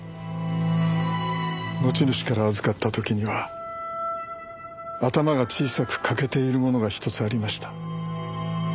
持ち主から預かった時には頭が小さく欠けているものが１つありました。